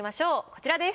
こちらです。